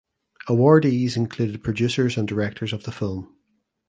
Awardees included producers and directors of the film.